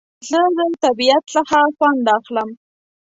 زه د طبیعت څخه خوند اخلم